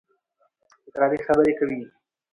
تکراري خبري کوي.